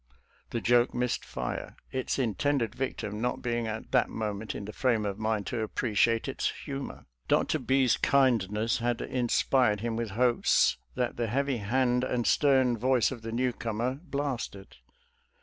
The joke missed fire, its intended victim not being at: that moment in the frame of mind to appreciate* its humor. Dr.! B 's kindness had 204 SOLDIER'S LETTBES TO CHARMING NELLIE inspired him with hopes that the heavy hand and stern voice of the newcomer blasted.